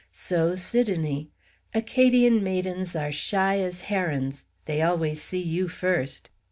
So Sidonie. Acadian maidens are shy as herons. They always see you first.